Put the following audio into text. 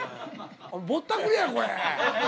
ぼったくりやこれ。